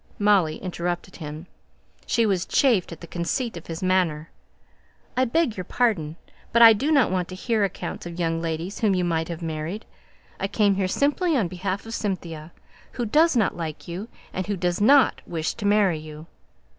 Molly interrupted him: she was chafed at the conceit of his manner. "I beg your pardon, but I do not want to hear accounts of young ladies whom you might have married; I come here simply on behalf of Cynthia, who does not like you, and who does not wish to marry you."